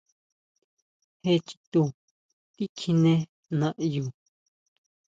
¿Jé chitu tikjiné naʼyu?